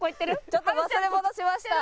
ちょっと忘れ物しました。